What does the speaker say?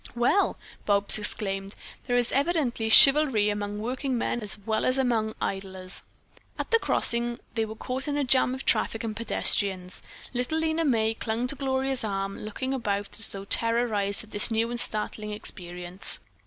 "Well," Bobs exclaimed, "there is evidently chivalry among working men as well as among idlers." At the crossing they were caught in a jam of traffic and pedestrians. Little Lena May clung to Gloria's arm, looking about as though terrorized at this new and startling experience.